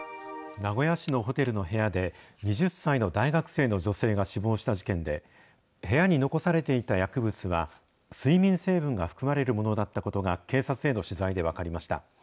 名古屋市のホテルの部屋で、２０歳の大学生の女性が死亡した事件で、部屋に残されていた薬物は、睡眠成分が含まれるものだったことが、警察への取材で分かりました。